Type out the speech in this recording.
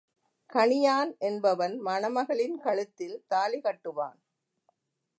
கணியான் என்பவன் மணமகளின் கழுத்தில் தாலி கட்டுவான்.